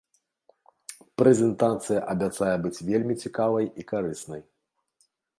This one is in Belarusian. Прэзентацыя абяцае быць вельмі цікавай і карыснай.